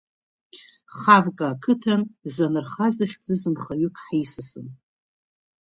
Хавка ақыҭан Занырха захьӡыз нхаҩык ҳисасын.